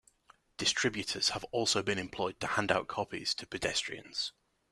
Distributors have also been employed to hand out copies to pedestrians.